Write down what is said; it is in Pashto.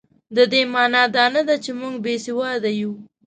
د دې مانا دا نه ده چې موږ بې سواده یو.